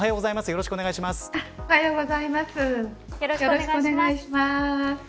よろしくお願いします。